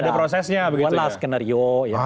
ada prosesnya skenario